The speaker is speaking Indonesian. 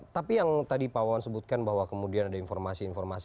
tapi yang tadi pak wawan sebutkan bahwa kemudian ada informasi informasi